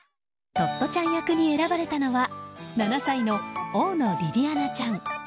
トットちゃん役に選ばれたのは７歳の大野りりあなちゃん。